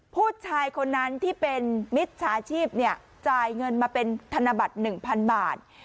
ผู้ชายคนนั้นที่เป็นมิจฉาชีพจ่ายเงินมาเป็นธนบัตร๑๐๐๐บาท